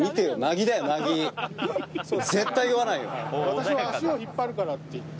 私は足を引っ張るからって言って。